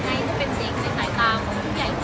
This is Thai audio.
เกิดแล้วเกิดเสร็จแล้วเราก็รู้จักของไอฟ์เซอร์